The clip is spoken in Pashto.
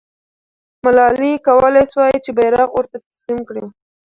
ملالۍ کولای سوای چې بیرغ ورته تسلیم کړي.